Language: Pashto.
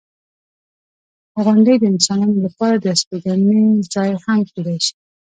• غونډۍ د انسانانو لپاره د استوګنې ځای هم کیدای شي.